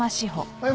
はい。